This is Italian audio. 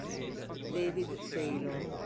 David Taylor